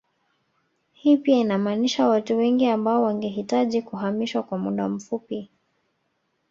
Hii pia inamaanisha watu wengi ambao wangehitaji kuhamishwa kwa muda mfupii